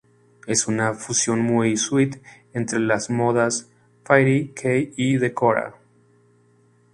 Es una fusión muy "sweet" entre las modas Fairy-Kei y Decora.